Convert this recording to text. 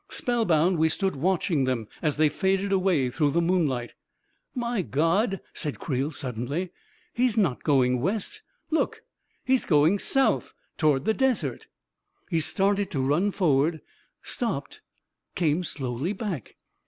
Spell bound, we stood watching them as they faded away through the moonlight. " My God !" said Creel suddenly. " He's not going west — look, he's going south I Toward the desert !" He started to run forward ; stopped ; came slowly back.